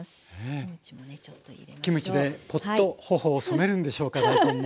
キムチでポッと頬を染めるんでしょうか大根も。